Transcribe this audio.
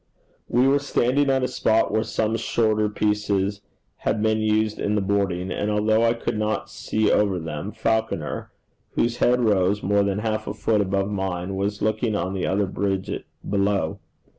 We were standing at a spot where some shorter pieces had been used in the hoarding; and, although I could not see over them, Falconer, whose head rose more than half a foot above mine, was looking on the other bridge below.